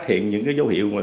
trên mạng xã hội